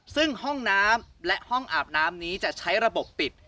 ซึ่งห้องน้ำและห้องอาบน้ำนี้จะใช้ระบบปิด